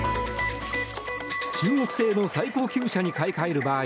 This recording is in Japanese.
中国製の最高級車に買い替える場合